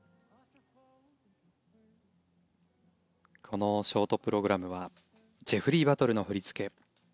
このショートプログラムはジェフリー・バトルの振り付け。